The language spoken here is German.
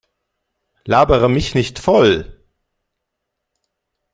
Labere mich nicht voll!